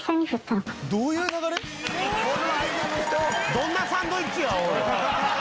どんなサンドイッチやおい！